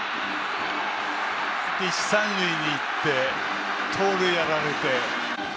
一、三塁にいって盗塁やられて。